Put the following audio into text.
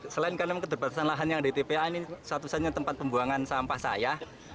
selain karena keterbatasan lahan yang ada di tpa ini satu satunya tempat pembuangan sampah saya